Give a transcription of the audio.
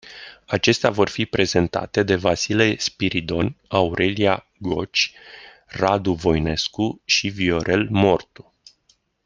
Acestea vor fi prezentate de Vasile Spiridon, Aurelia Goci, Radu Voinescu și Viorel Mortu.